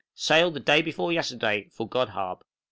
_ Sailed the day before yesterday for Godhaab.